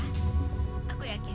aku tidak ketukut macam lain